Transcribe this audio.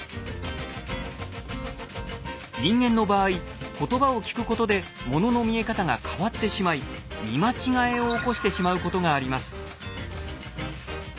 人間の場合言葉を聞くことでものの見え方が変わってしまい見間違えを起こしてしまうことがあります。